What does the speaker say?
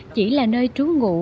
chỉ là nơi trú ngụ bình dị lặng lẽ